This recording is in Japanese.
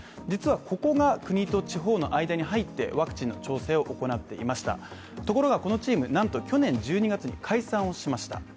実はここが国と地方の間に入ってワクチンの調整を行っていました、ところがこのチームなんと去年１２月に解散をしました。